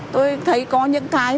tôi thấy có những cái